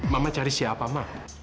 mama cari siapa ma